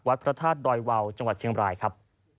พระธาตุดอยวาวจังหวัดเชียงบรายครับ